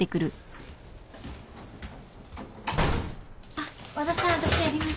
あっ和田さん。わたしやります。